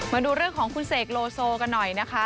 มาดูเรื่องของคุณเสกโลโซกันหน่อยนะคะ